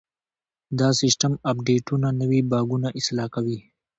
د سیسټم اپډیټونه نوي بګونه اصلاح کوي.